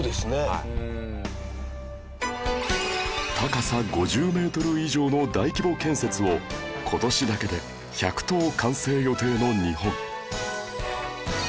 高さ５０メートル以上の大規模建設を今年だけで１００棟完成予定の日本